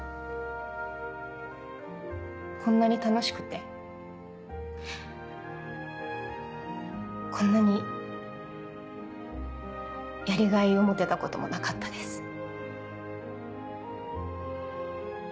こんなに楽しくてこんなにやりがいを持てたこともなかったです。